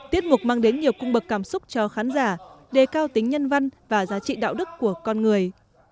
tiết mục mang đến nhiều cung bậc cảm xúc cho khán giả đề cao tính nhân văn và giá trị đạo đức của con người